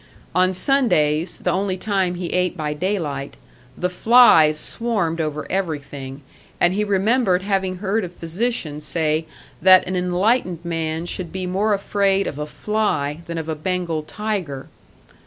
On Sundays, the only time he ate by daylight, the flies swarmed over everything, and he remembered having heard a physician say that an enlightened man should be more afraid of a fly than of a Bengal tiger.